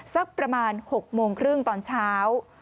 สักประมาณ๖โมงครึ่งตอนเช้า